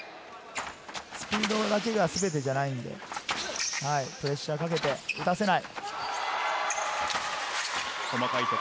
スピードだけがすべてじゃないので、プレッシャーをかけて打たせない。